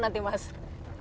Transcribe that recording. nah itu gimana nanti mas